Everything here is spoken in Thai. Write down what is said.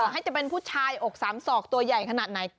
ให้จะเป็นผู้ชายอกสามศอกตัวใหญ่ขนาดไหน